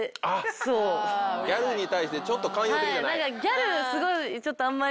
ギャルに対して寛容的じゃない。